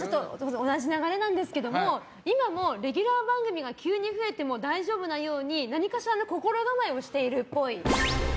同じ流れなんですけど今もレギュラー番組が急に増えても大丈夫なように何かしらの心構えをしているっぽい。